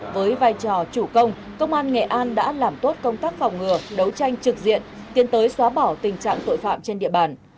với vai trò chủ công công an nghệ an đã làm tốt công tác phòng ngừa đấu tranh trực diện tiến tới xóa bỏ tình trạng tội phạm trên địa bàn